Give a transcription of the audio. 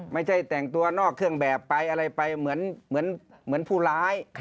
ไม่ใช่แต่งตัวนอกเครื่องแบบไปอะไรไปเหมือนผู้ร้าย